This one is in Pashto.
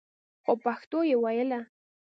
خو پښتو يې ويله.